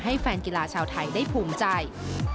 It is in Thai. ให้แฟนกีฬาชาวไทยได้ภูมิใจ